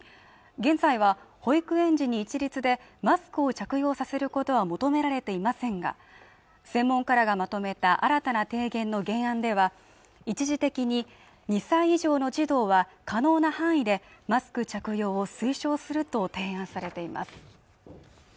現在は保育園児に一律でマスクを着用させることは求められていませんが専門家らがまとめた新たな提言の原案では一時的に２歳以上の児童は可能な範囲でマスク着用を推奨すると提案されています